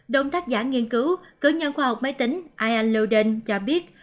đồng tác giả nghiên cứu cử nhân khoa học máy tính ian ludden cho biết